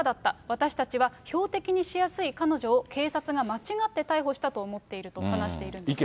私たちは標的にしやすい彼女を、警察が間違って逮捕したと思っていると話しているんです。